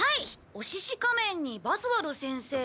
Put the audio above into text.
『オシシ仮面』に『バスワル先生』